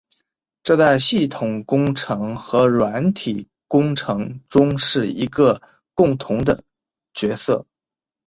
这在系统工程和软体工程中是一个共同的角色。